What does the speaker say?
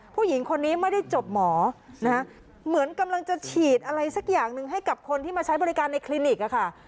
ผู้หญิงคนนี้ไม่ได้จบหมอนะคะเหมือนกำลังจะฉีดอะไรสักอย่างหนึ่งให้กับคนที่มาใช้บริการในคลินิกอะค่ะ